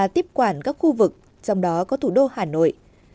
tiếp quản các khu vực trong đó có thủ đô hà nội